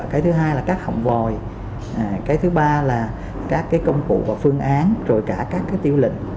cái thứ hai là các hỏng vòi cái thứ ba là các cái công cụ và phương án rồi cả các cái tiêu lệnh